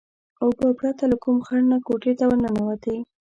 اوبه پرته له کوم خنډ نه کوټې ته ورننوتې.